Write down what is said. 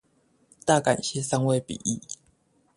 大感謝三位筆譯